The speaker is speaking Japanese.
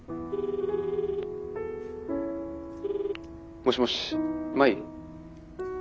もしもし舞？